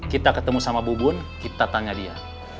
kita ketemu sama bu bun kita tanya dia